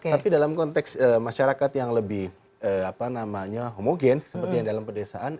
tapi dalam konteks masyarakat yang lebih homogen seperti yang dalam pedesaan